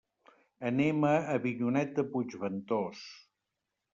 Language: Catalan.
Anem a Avinyonet de Puigventós.